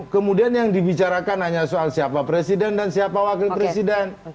kemudian yang dibicarakan hanya soal siapa presiden dan siapa wakil presiden